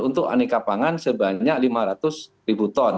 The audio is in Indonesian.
untuk aneka pangan sebanyak lima ratus ribu ton